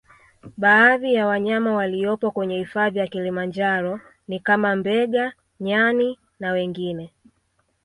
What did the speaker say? Baadhi ya wanyama waliopo kwenye hifadhi ya kilimanjaro ni kama Mbega nyani na wengine